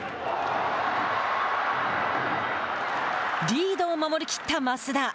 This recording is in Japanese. リードを守り切った増田。